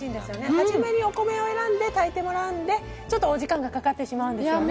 初めにお米を選んで炊いてもらうのでちょっとお時間がかかってしまうんですよね